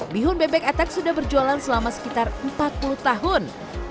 bihun bebek atak sudah berjualan selama sekitar empat puluh tahun